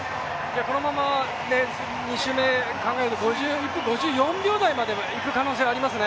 このまま２周目考えると、５４秒台までいく可能性がありますね。